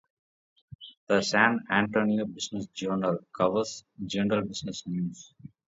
The "San Antonio Business Journal" covers general business news.